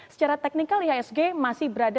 secara teknikal ihsg masih berada